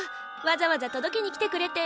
わざわざ届けに来てくれて。